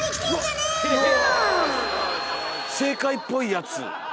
正解っぽいやつ。